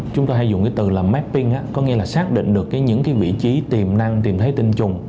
chúng ta hay dùng cái từ là mapping á có nghĩa là xác định được những cái vị trí tìm năng tìm thấy tinh trùng